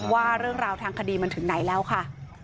ว่าเรื่องราวทางคดีมันถึงไหนแล้วค่ะ